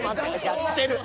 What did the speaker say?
やってる。